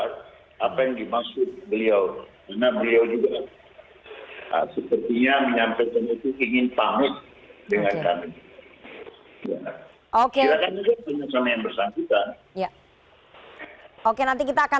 tadi dia memberi pernyataan itu